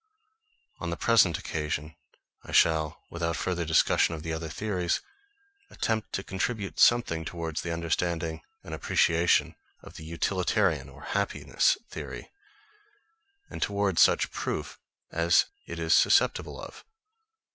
On the present occasion, I shall, without further discussion of the other theories, attempt to contribute something towards the understanding and appreciation of the Utilitarian or Happiness theory, and towards such proof as it is susceptible of.